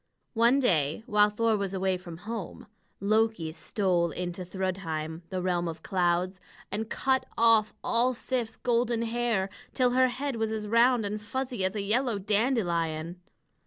One day, while Thor was away from home, Loki stole into Thrudheim, the realm of clouds, and cut off all Sif's golden hair, till her head was as round and fuzzy as a yellow dandelion.